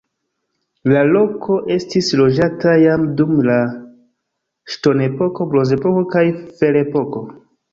La loko estis loĝata jam dum la ŝtonepoko, bronzepoko kaj ferepoko.